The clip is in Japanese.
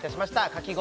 かき氷